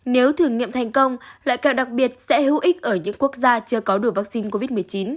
nếu thử nghiệm thành công loại kẹo đặc biệt sẽ hữu ích ở những quốc gia chưa có đủ vaccine covid một mươi chín